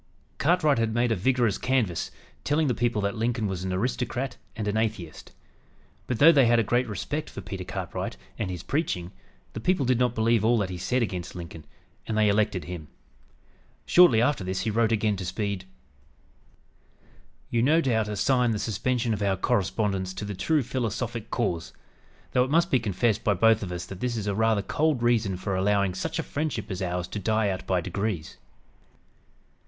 Cartwright had made a vigorous canvass, telling the people that Lincoln was "an aristocrat and an atheist." But, though they had a great respect for Peter Cartwright and his preaching, the people did not believe all that he said against Lincoln, and they elected him. Shortly after this he wrote again to Speed: "You, no doubt, assign the suspension of our correspondence to the true philosophic cause; though it must be confessed by both of us that this is a rather cold reason for allowing such a friendship as ours to die out by degrees.